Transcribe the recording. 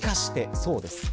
そうです。